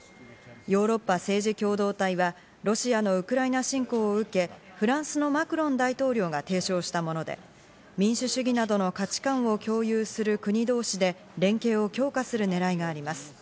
ヨーロッパ政治共同体はロシアのウクライナ侵攻を受け、フランスのマクロン大統領が提唱したもので、民主主義などの価値観を共有する国同士で連携を強化する狙いがあります。